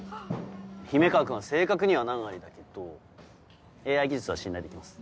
姫川君は性格には難ありだけどＡＩ技術は信頼できます。